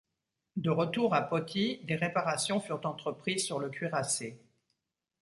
De retour à Poti, des réparations furent entreprises sur le cuirassé.